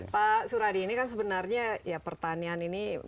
pak suradi ini kan sebenarnya ya pertanian ini